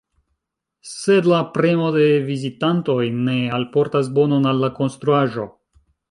Sed la premo de vizitantoj ne alportas bonon al la konstruaĵo.